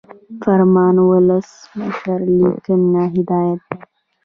فرمان د ولسمشر لیکلی هدایت دی.